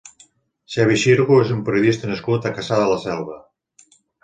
Xevi Xirgo és un periodista nascut a Cassà de la Selva.